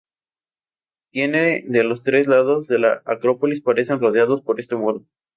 Tres de los cuatro lados de la acrópolis aparecen rodeados por este muro.